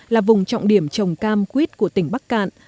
là vùng trọng điểm trồng cam quýt của tỉnh bắc cạn